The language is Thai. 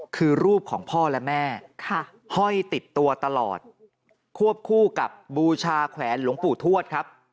คือรูปของพ่อและแม่ห้อยติดตัวตลอดควบคู่กับบูชาแขวนหลวงปู่ทวดครับ